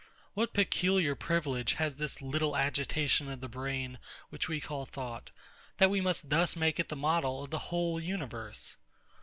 What peculiar privilege has this little agitation of the brain which we call thought, that we must thus make it the model of the whole universe?